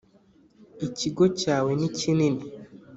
ikigo cyawe nikinini.